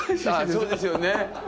あっそうですよね。